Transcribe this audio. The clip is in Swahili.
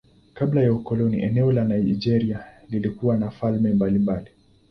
Kabla ya ukoloni eneo la Nigeria lilikuwa na falme mbalimbali.